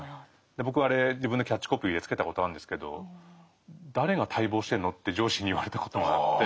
僕はあれ自分でキャッチコピーつけたことあるんですけど「誰が待望してるの？」って上司に言われたことがあって。